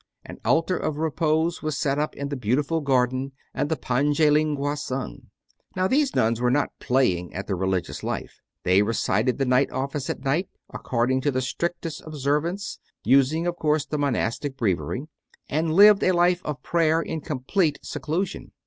An altar of repose was set up in the beautiful garden and the Pange Lingua sung. Now, these nuns were not playing at the Religious Life: they recited the night Office at night, according to the strictest observance using of course the monastic Breviary and lived a life of prayer in complete seclusion.